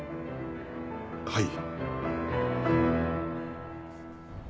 はい。